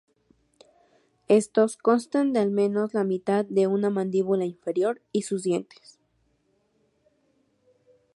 Estos constan de al menos la mitad de una mandíbula inferior y sus dientes.